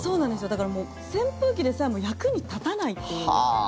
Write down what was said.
だからもう扇風機でさえも役に立たないという。